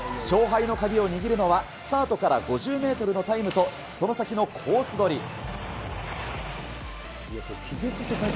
勝敗の鍵を握るのは、スタートから５０メートルのタイムと、その先のコース取り。